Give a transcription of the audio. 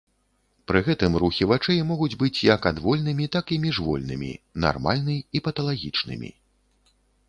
Пры гэтым рухі вачэй могуць быць як адвольнымі так і міжвольнымі, нармальны і паталагічнымі.